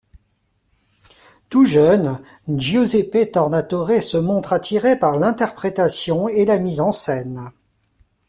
Tout jeune, Giuseppe Tornatore se montre attiré par l'interprétation et la mise en scène.